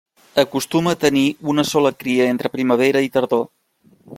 Acostuma a tenir una sola cria entre primavera i tardor.